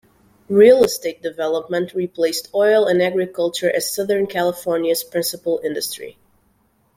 Real-estate development replaced oil and agriculture as Southern California's principal industry.